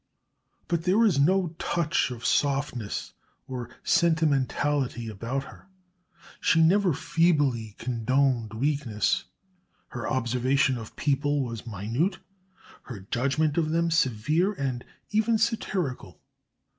But there was no touch of softness or sentimentality about her; she never feebly condoned weaknesses; her observation of people was minute, her judgment of them severe and even satirical.